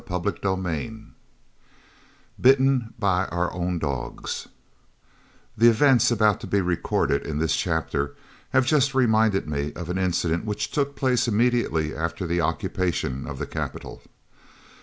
CHAPTER XXVI BITTEN BY OUR OWN DOGS The events about to be recorded in this chapter have just reminded me of an incident which took place immediately after the occupation of the capital.